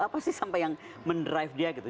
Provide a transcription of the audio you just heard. apa sih sampai yang men drive dia gitu